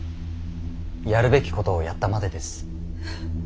やるべきことをやったまでです。